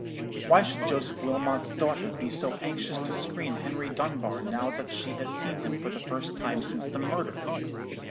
Why should Joseph Wilmot's daughter be so anxious to screen Henry Dunbar now that she has seen him for the first time since the murder?